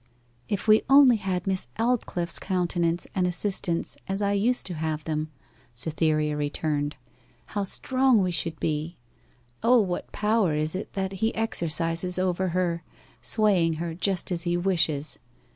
'If we only had Miss Aldclyffe's countenance and assistance as I used to have them,' Cytherea returned, 'how strong we should be! O, what power is it that he exercises over her, swaying her just as he wishes!